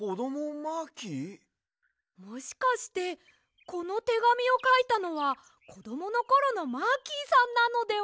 もしかしてこのてがみをかいたのはこどものころのマーキーさんなのでは？